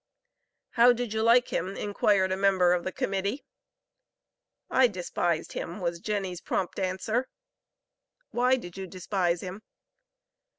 "How did you like him?" inquired a member of the Committee. "I despised him," was Jenny's prompt answer. "Why did you despise him?"